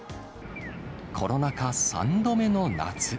コロナ禍３度目の夏。